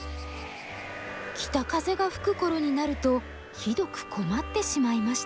北風が吹く頃になるとひどく困ってしまいました。